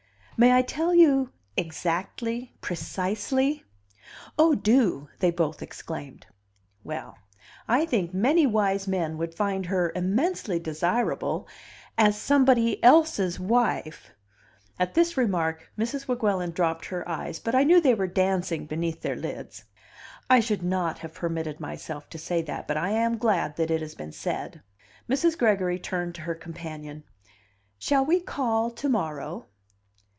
"May I tell you exactly, precisely?" "Oh, do!" they both exclaimed. "Well, I think many wise men would find her immensely desirable as somebody else's wife!" At this remark Mrs. Weguelin dropped her eyes, but I knew they were dancing beneath their lids. "I should not have permitted myself to say that, but I am glad that it has been said." Mrs. Gregory turned to her companion. "Shall we call to morrow?"